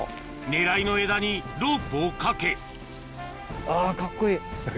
狙いの枝にロープをかけあぁカッコいい。